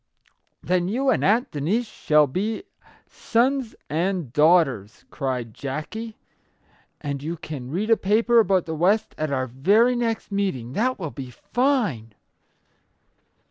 " Then you and Aunt Denise shall be £ Sons and Daughters/ " cried Jackie, c< and you can read a paper about the West at our very next meeting. That will be fine